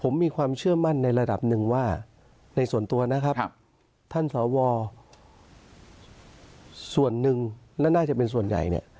มีความเชื่อมั่นในระดับหนึ่งว่าในส่วนตัวท่านสวส่วนนึงและน่าจะเป็นส่วนใหญ่